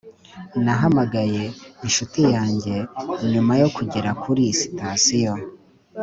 nahamagaye inshuti yanjye nyuma yo kugera kuri sitasiyo